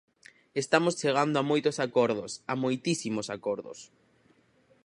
Estamos chegando a moitos acordos, a moitísimos acordos.